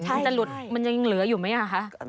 มันจะหลุดมันยังเหลืออยู่ไหมคะ